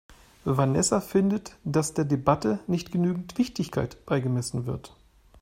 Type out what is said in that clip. Vanessa findet, dass der Debatte nicht genügend Wichtigkeit beigemessen wird.